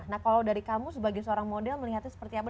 nah kalau dari kamu sebagai seorang model melihatnya seperti apa